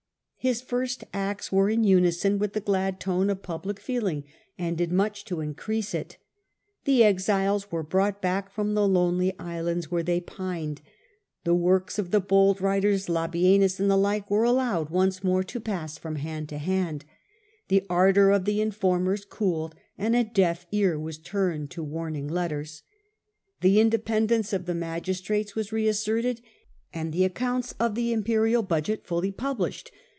His first acts were in unison with the glad tone of public feeling, and did much to in crease it. The exiles were brought back return of the from the lonely islands where they pined ; the wiles, works of the bold writers, Labienus and the like, were allowed once more to pass from hand to hand; the ardour of the informers cooled, and a deaf ear was ^.,.,,.,, and Signs of turned to warning letters ; the independence brighter of the magistrates was re asserted, and the accounts of the imperial budget fully published.